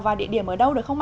và địa điểm ở đâu được không ạ